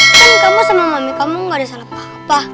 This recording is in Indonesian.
berani kamu sama mami kamu gak ada salah apa apa